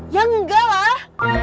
ya enggak lah